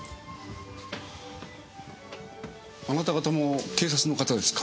あなた方も警察の方ですか？